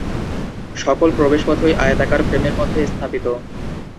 সকল প্রবেশপথই আয়তাকার ফ্রেমের মধ্যে স্থাপিত।